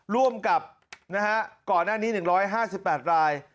ร่วมกับก่อนหน้านี้๑๕๘ราย